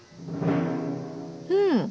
うん！